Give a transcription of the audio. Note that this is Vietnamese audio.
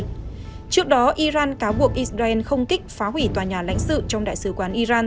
trước đó iran cáo buộc israel không kích phá hủy tòa nhà lãnh sự trong đại sứ quán iran